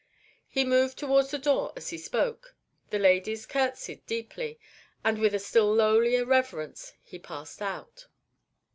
He moved towards the door as he spoke, the ladies courtesied deeply, and, with a still lowlier reverence, he passed out.